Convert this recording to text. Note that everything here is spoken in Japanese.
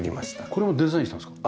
これもデザインしたんですか？